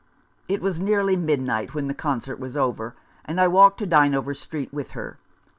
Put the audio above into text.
It was nearly midnight when the concert was over, and I walked to Dynevor Street with her.